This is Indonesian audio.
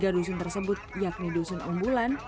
tiga dusun tersebut yakni dusun umbulan